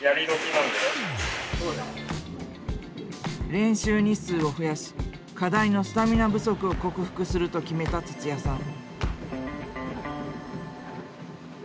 練習日数を増やし課題のスタミナ不足を克服すると決めた土屋さん。